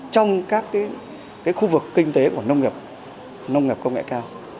trong các khu vực kinh tế của nông nghiệp nông nghiệp công nghệ cao